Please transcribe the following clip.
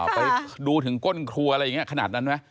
ไปดูถึงก้นครัวอะไรอย่างนี้ขนาดนั้นไหม